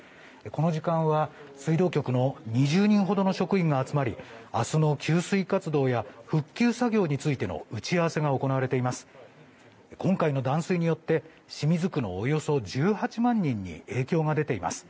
この時間は、水道局の２０人ほどの職員が集まり明日の給水活動や復旧作業についての打ち合わせが行われています。